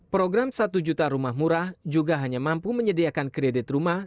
program satu juta rumah murah juga hanya mampu menyediakan kredit rumah